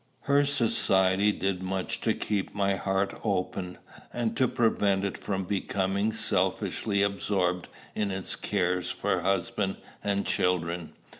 Her society did much to keep my heart open, and to prevent it from becoming selfishly absorbed in its cares for husband and children.